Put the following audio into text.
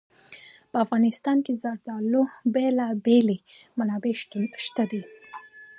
په افغانستان کې د زردالو بېلابېلې منابع شته دي.